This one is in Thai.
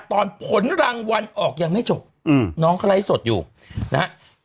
ผลรางวัลออกยังไม่จบน้องเขาไลฟ์สดอยู่นะฮะ